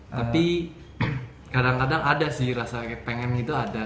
tapi kadang kadang ada sih rasa pengen itu ada